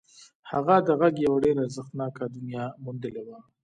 هغه د غږ یوه ډېره ارزښتناکه دنیا موندلې وه